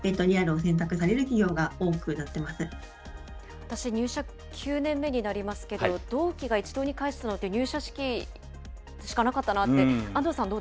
私、入社９年目になりますけど、同期が一堂に会するのって入社式でしかなかったなって、安藤さん